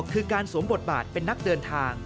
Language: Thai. คือการสวมบทบาทเป็นนักเดินทาง